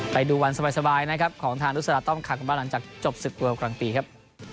ไปดูวันสบายนะครับของทางนุษราต้อมขากันบ้างหลังจากจบศึกเวลกลางปีครับ